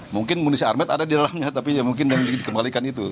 mungkin munisi armet ada di dalamnya tapi ya mungkin yang dikembalikan itu